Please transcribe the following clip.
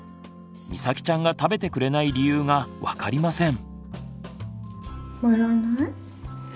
みさきちゃんが食べてくれない理由が分かりません。